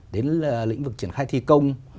đến lĩnh vực triển khai thi công